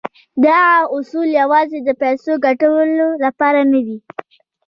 دغه اصول يوازې د پيسو ګټلو لپاره نه دي.